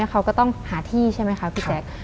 เขาก็ต้องหาที่ใช่ไหมคะพี่แจ๊ค